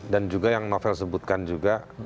dan juga yang novel sebutkan juga